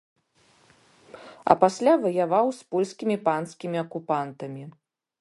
А пасля ваяваў з польскімі панскімі акупантамі.